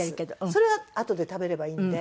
それはあとで食べればいいので。